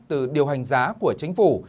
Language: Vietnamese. từ điều hành giá của chính phủ